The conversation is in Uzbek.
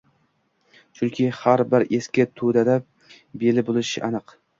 Chunki har bir eski toʻdada Billi boʻlishi aniq.